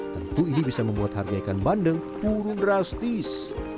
tentu ini bisa membuat harga ikan bandeng turun drastis